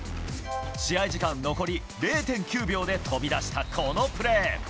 試合時間残り０．９秒で飛び出したこのプレー。